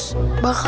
akan dapat sesuatu